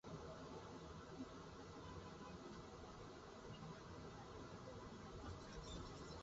Descubre el arte contemporáneo con Henri Michaux y Jean Dubuffet.